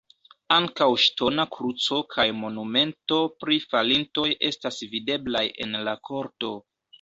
Ankaŭ ŝtona kruco kaj monumento pri falintoj estas videblaj en la korto.